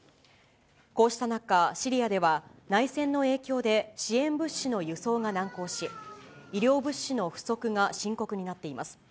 こうした中、シリアでは内戦の影響で支援物資の輸送が難航し、医療物資の不足が深刻になっています。